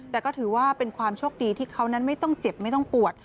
แต่ก็ถือว่าเป็นความโชคดีที่เขานั้นไม่ต้องเจ็บไม่ต้องปวด